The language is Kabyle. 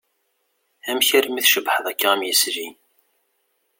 Amek armi d-tcebbḥeḍ akka am yisli?